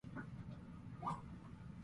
お前がわるい